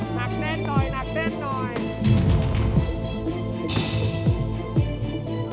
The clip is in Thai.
กันรอดนิดหนึ่งค่ะ